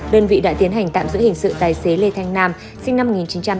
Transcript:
đơn vị đã tiến hành tạm giữ hình sự tài xế lê thanh nam sinh năm một nghìn chín trăm tám mươi